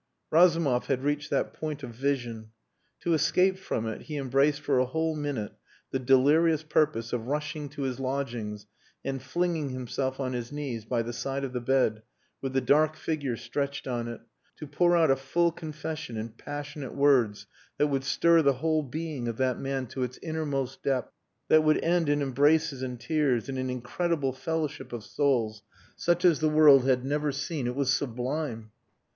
Razumov had reached that point of vision. To escape from it he embraced for a whole minute the delirious purpose of rushing to his lodgings and flinging himself on his knees by the side of the bed with the dark figure stretched on it; to pour out a full confession in passionate words that would stir the whole being of that man to its innermost depths; that would end in embraces and tears; in an incredible fellowship of souls such as the world had never seen. It was sublime!